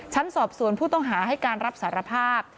ชั้นสอบสวนผู้ต้องหาให้การรับสารภาพ